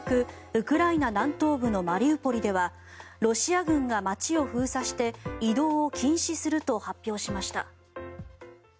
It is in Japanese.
ウクライナ南東部のマリウポリではロシア軍が街を封鎖して移動を禁止すると発表しました。